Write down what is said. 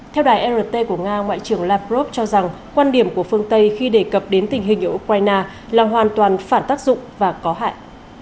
theo đài rt của nga ngoại trưởng livrov cho rằng quan điểm của phương tây khi đề cập đến tình hình ở ukraine là hoàn toàn phản tác dụng và có hại